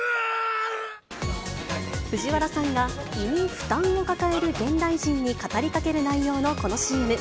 藤原さんが、胃に負担を抱える現代人に語りかける内容のこのＣＭ。